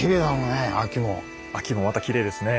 秋もまたきれいですね。